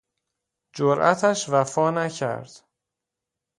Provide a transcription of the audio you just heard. جرأتش وفانکرد